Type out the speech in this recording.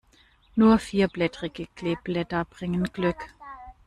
Nur vierblättrige Kleeblätter bringen Glück.